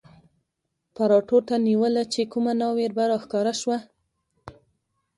پراټو ته نیوله چې کومه ناوې به را ښکاره شوه.